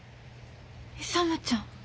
勇ちゃん。